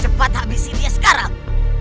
cepat habisi dia sekarang